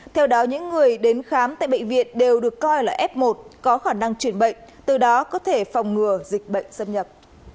theo đó những người đến khám tại bệnh viện đều được coi là f một có khả năng chuyển bệnh từ đó có thể phòng ngừa dịch bệnh xâm nhập